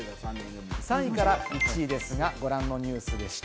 ３位から１位ですがご覧のニュースでした。